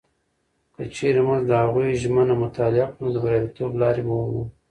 که چیرې موږ د هغوی ژوند مطالعه کړو، نو د بریالیتوب لارې به ومومو.